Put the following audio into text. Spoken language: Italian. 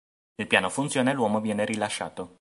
Il piano funziona e l'uomo viene rilasciato.